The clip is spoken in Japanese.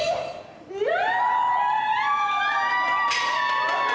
うわ！